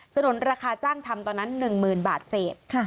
นุนราคาจ้างทำตอนนั้น๑๐๐๐บาทเศษ